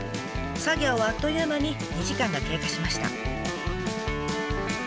作業はあっという間に２時間が経過しました。